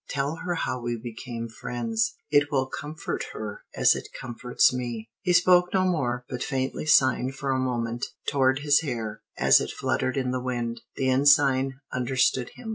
Tell her how we became friends. It will comfort her, as it comforts me." He spoke no more, but faintly signed for a moment toward his hair as it fluttered in the wind. The Ensign understood him.